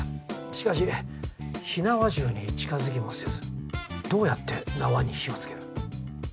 しかし火縄銃に近づきもせずどうやって縄に火をつける？